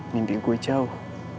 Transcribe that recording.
mimpi gue jauh